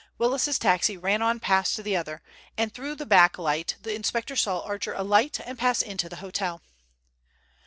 Willis's taxi ran on past the other, and through the backlight the inspector saw Archer alight and pass into the hotel.